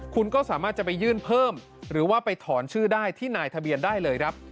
คุณก็สามารถจะไปยื่นเพิ่มหรือว่าไปถอนชื่อได้ที่นายทะเบียนได้เลยครับ